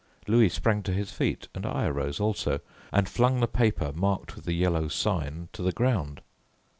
Louis sprang to his feet and I arose also, and flung the paper marked with the Yellow Sign to the ground.